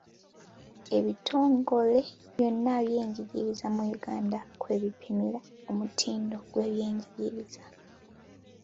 Ebitongole byonna eby'ebyenjigiriza mu Uganda kwe bipimira omutindo gw'ebyenjigiriza.